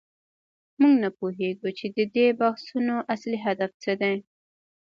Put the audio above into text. موږ نه پوهیږو چې د دې بحثونو اصلي هدف څه دی.